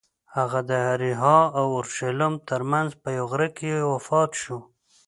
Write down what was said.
هغه د اریحا او اورشلیم ترمنځ په یوه غره کې وفات شو.